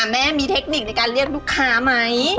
แม่มีเทคนิคในการเรียกลูกค้าไหม